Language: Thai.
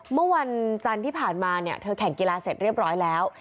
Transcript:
เมื่อวันจันทร์ที่ผ่านมาเนี่ยเธอแข่งกีฬาเสร็จเรียบร้อยแล้ว